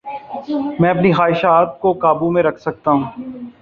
میں اپنی خواہشات کو قابو میں رکھ سکتا ہوں